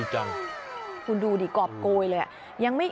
คุณดูดิกรอบโกยเลย